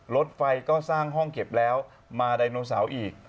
รถไฟก็สร้างห้องเก็บแล้วมาไดโนเสาร์อีก